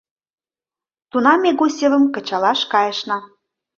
Тунам ме Гусевым кычалаш кайышна.